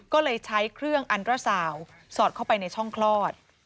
ก็เลยใช้เครื่องอันตราสาวสอดเข้าไปในช่องคลอด